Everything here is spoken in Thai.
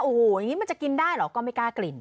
โอ้โหอย่างนี้มันจะกินได้เหรอก็ไม่กล้ากลิ่น